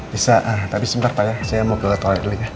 bisa tapi sebentar pak ya saya mau ke toilet dulunya